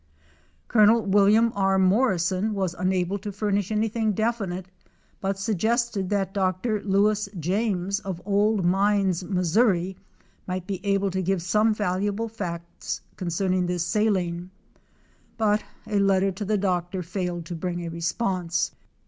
Col. Wm. R. Morrison was unable to furnish anything definite, but suggested that Dr. Lewis James, of Old Mines, Mo., might be able to give some valuable facts concerning this saline, but a letter to the doctor failed to bring a response.